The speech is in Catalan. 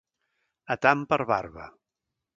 A tant per barba.